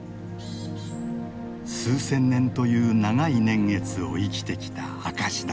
数千年という長い年月を生きてきた証しだ。